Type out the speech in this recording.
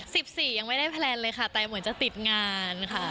สิบสี่ยังไม่ได้แพลนเลยค่ะแต่เหมือนจะติดงานค่ะ